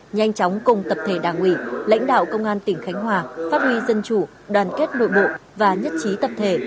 nhanh chóng cùng tập thể đảng ủy lãnh đạo công an tỉnh khánh hòa phát huy dân chủ đoàn kết nội bộ và nhất trí tập thể